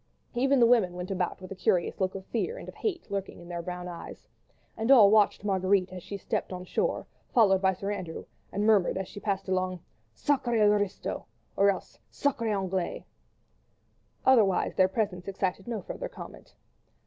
Even the women went about with a curious look of fear and of hate lurking in their brown eyes; and all watched Marguerite as she stepped on shore, followed by Sir Andrew, and murmured as she passed along: "Sacrés aristos!" or else "Sacrés Anglais!" Otherwise their presence excited no further comment.